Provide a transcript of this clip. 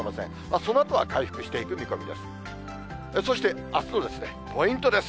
そのあとは回復していく見込みです。